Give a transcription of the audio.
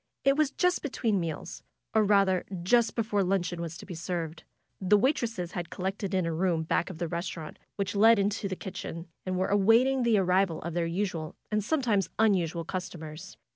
It was just between meals, or rather just before luncheon was to be served. The waitresses had col lected in a room back of the restaurant, which led into 217 218 FAITH the kitchen, and were awaiting the arrival of their usual, and sometimes unusual, customers.